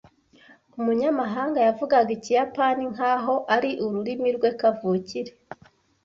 Umunyamahanga yavugaga Ikiyapani nkaho ari ururimi rwe kavukire.